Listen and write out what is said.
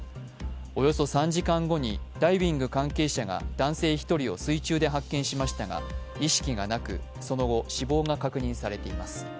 およそ３時間後に男性１人を水中で発見しましたが、意識がなくその後、死亡が確認されています。